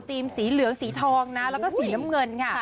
สีเหลืองสีทองนะแล้วก็สีน้ำเงินค่ะ